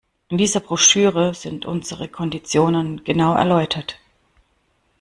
In dieser Broschüre sind unsere Konditionen genau erläutert.